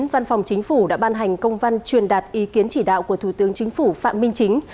văn phòng chính phủ đã ban hành công văn truyền đạt ý kiến chỉ đạo của thủ tướng chính phủ phạm minh chính